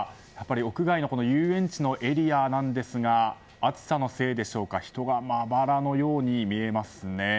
屋外の遊園地のエリアなんですが暑さのせいでしょうか人がまばらのように見えますね。